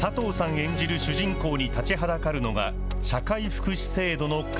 演じる主人公に立ちはだかるのが、社会福祉制度の壁。